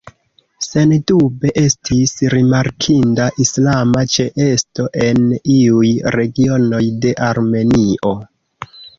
Sendube, estis rimarkinda islama ĉeesto en iuj regionoj de Armenio.